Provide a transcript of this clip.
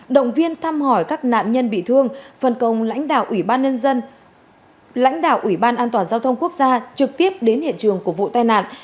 động viên thăm hỏi các nạn nhân bị thương phân công lãnh đạo ủy ban an toàn giao thông quốc gia trực tiếp đến hiện trường của vụ tai nạn